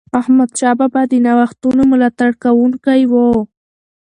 احمدشاه بابا د نوښتونو ملاتړ کوونکی و.